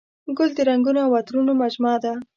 ګل د رنګونو او عطرونو مجموعه ده.